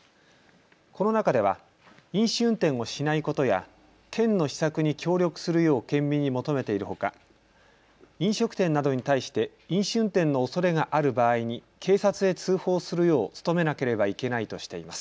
この中では飲酒運転をしないことや県の施策に協力するよう県民に求めているほか飲食店などに対して飲酒運転のおそれがある場合に警察へ通報するよう努めなければいけないとしています。